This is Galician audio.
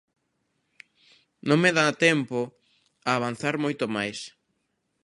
Non me dá tempo a avanzar moito máis.